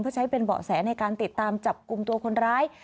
เพื่อใช้เป็นเบาะแสในการติดตามจับกลุ่มตัวคนร้าย